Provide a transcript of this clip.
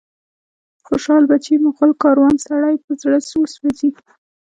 خوشال بچي، مغول کاروان، سړی په زړه وسوځي